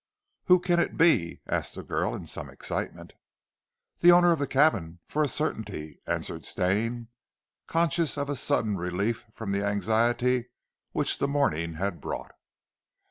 "Who can it be?" asked the girl in some excitement. "The owner of the cabin for a certainty!" answered Stane, conscious of a sudden relief from the anxiety which the morning had brought.